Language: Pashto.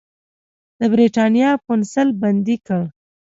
د برېټانیا قونسل بندي کړ.